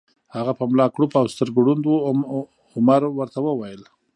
هغه په ملا کړوپ او سترګو ړوند و، عمر ورته وویل: